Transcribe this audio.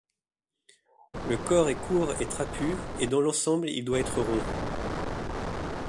Le corps est court et trapu et dans l’ensemble, il doit être rond.